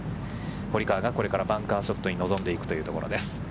堀川がこれからバンカーショットに臨んでいくというところです。